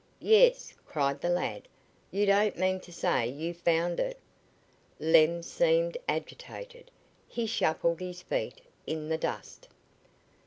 "Yes," cried the lad. "You don't mean to say you found it?" Lem seemed agitated. He shuffled his feet in the dust.